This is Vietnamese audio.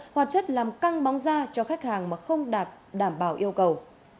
hoạt chất làm căng bóng da cho khách hàng mà không đạt đảm bảo yêu cầu